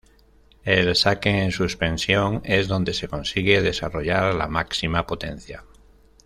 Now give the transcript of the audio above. El saque en suspensión es donde se consigue desarrollar la máxima potencia.